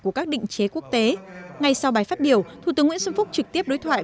của các định chế quốc tế ngay sau bài phát biểu thủ tướng nguyễn xuân phúc trực tiếp đối thoại